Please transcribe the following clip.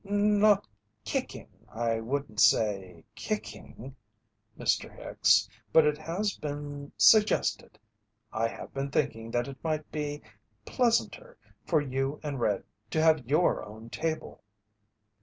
"Not kicking, I wouldn't say kicking, Mr. Hicks, but it has been suggested I have been thinking that it might be pleasanter for you and Red to have your own table."